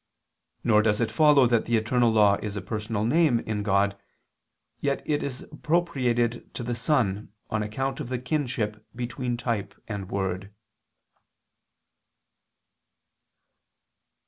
Nor does it follow that the eternal law is a Personal name in God: yet it is appropriated to the Son, on account of the kinship between type and word.